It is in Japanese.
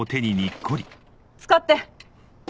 使って！